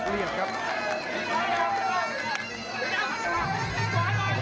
เพชรงั้นยังกลับไปชามอันที่สอง